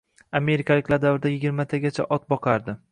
Amerikaliklar davrida yigirmatagacha ot boqardi